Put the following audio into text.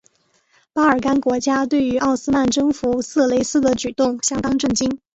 巴尔干国家对于奥斯曼征服色雷斯的举动相当震惊。